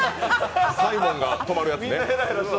サイモンが止まるやつ。